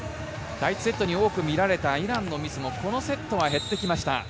第１セットに多く見られたイランのミスもこのセットは減ってきました。